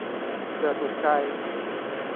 เผื่อถูกใจ